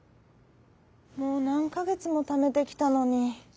もうなんかげつもためてきたのに。